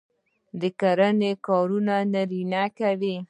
د کرنې کارونه نارینه کوي.